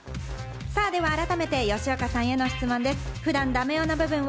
では改めて吉岡さんへの質問です。